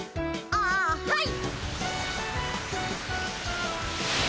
ああはい！